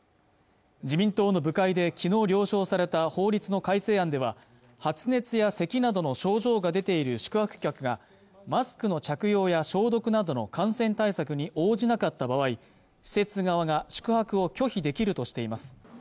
自民党の部会できのう了承された法律の改正案では発熱やせきなどの症状が出ている宿泊客がマスクの着用や消毒などの感染対策に応じなかった場合施設側が宿泊を拒否できるとしています